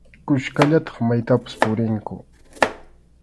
Kuskallataq maytapas purinku.